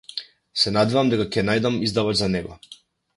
Се надевам дека ќе најдам издавач за него.